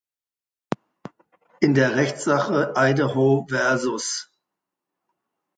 In der Rechtssache "Idaho vs.